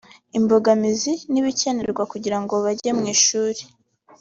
imbogamizi n’ibikenewe kugira ngo bajye mu ishuri